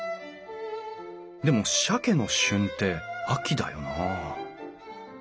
でもしゃけの旬って秋だよな？